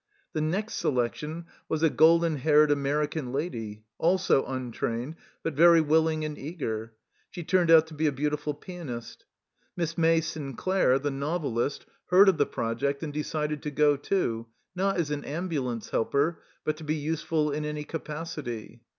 The next selection was a golden haired American lady, also untrained, but very willing and eager; she turned out to be a beautiful pianist. Miss May Sinclair, the novelist, THE START 7 heard of the project and decided to go too, not as an ambulance helper, but to be useful in any capacity.